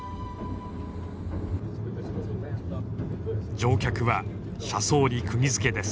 乗客は車窓にくぎづけです。